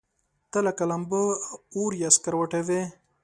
ته لکه لمبه، اور يا سکروټه وې